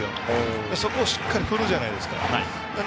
そこをしっかり振るじゃないですか。